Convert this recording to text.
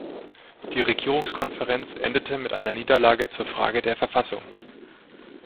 Die Regierungskonferenz endete mit einer Niederlage zur Frage der Verfassung.